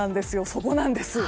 そこなんです！